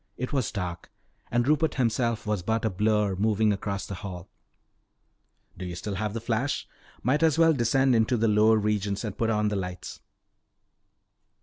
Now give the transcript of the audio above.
It was dark and Rupert himself was but a blur moving across the hall. "Do you still have the flash? Might as well descend into the lower regions and put on the lights."